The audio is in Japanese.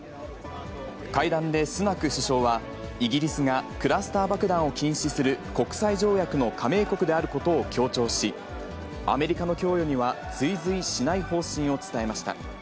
会談でスナク首相は、イギリスがクラスター爆弾を禁止する国際条約の加盟国であることを強調し、アメリカの供与には追随しない方針を伝えました。